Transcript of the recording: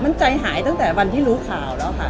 มันใจหายตั้งแต่วันที่รู้ข่าวแล้วค่ะ